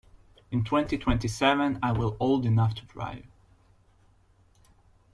In twenty-twenty-seven I will old enough to drive.